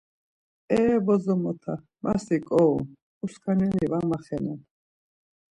E bozomota ma si ǩǩorom, uskaneli var maxenen.